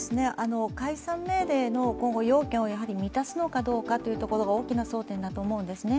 解散命令の要件を今後満たすのかどうかというところが大きな争点だと思うんですね